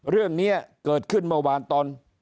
เรื่องนี้เกิดขึ้นเมื่อวานตอน